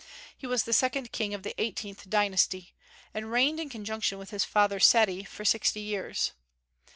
He was the second king of the eighteenth dynasty, and reigned in conjunction with his father Seti for sixty years.